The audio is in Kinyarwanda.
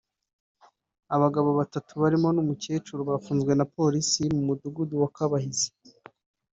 Abagabo batatu barimo n’umukecuru bafunzwe na Polisi mu mudugudu wa Kabahizi